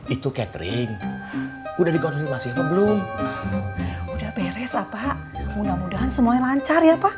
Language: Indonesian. itu catering udah dikonfirmasi apa belum udah beres lah pak mudah mudahan semuanya lancar ya pak